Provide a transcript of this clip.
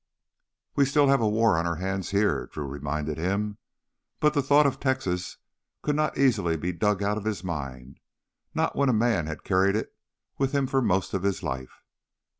"We still have a war on our hands here," Drew reminded him. But the thought of Texas could not easily be dug out of mind, not when a man had carried it with him for most of his life.